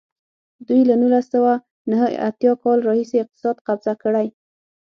دوی له نولس سوه نهه اتیا کال راهیسې اقتصاد قبضه کړی.